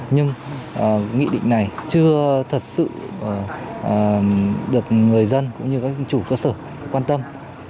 nhưng nghị định này chưa thật sự được người dân cũng như các chủ cơ sở quan tâm